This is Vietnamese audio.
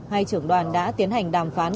hai trưởng đoàn đã tiến hành đàm phán